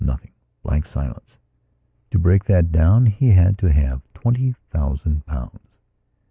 Nothing: blank silence. To break that down he had to have twenty thousand pounds.